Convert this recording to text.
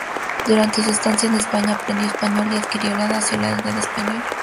Durante su estancia en España aprendió español y adquirió la nacionalidad española.